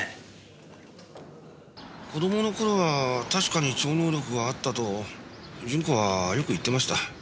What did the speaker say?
子供の頃は確かに超能力があったと順子はよく言ってました。